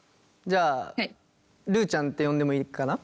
じゃあるちゃんって呼んでもいいかな？